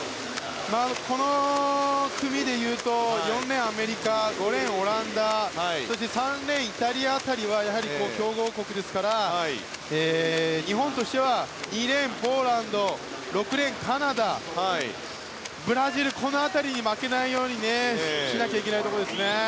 この組でいうと４レーンのアメリカ５レーンのオランダそして３レーン、イタリア辺りはやはり強豪国ですから日本としては２レーン、ポーランド６レーン、カナダブラジル、この辺りに負けないようにしなきゃいけません。